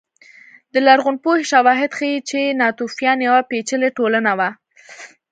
د لرغونپوهنې شواهد ښيي چې ناتوفیان یوه پېچلې ټولنه وه